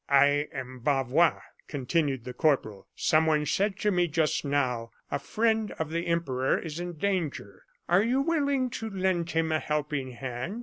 "I am Bavois," continued the corporal. "Someone said to me just now: 'A friend of the Emperor is in danger; are you willing to lend him a helping hand?